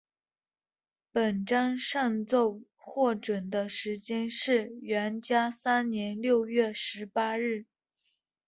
本章上奏获准的时间是元嘉三年六月十八日。